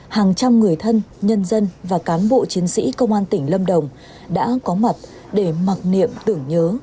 hàng trăm người thân nhân dân và cán bộ chiến sĩ công an tỉnh lâm đồng đã có mặt để mặc niệm tưởng nhớ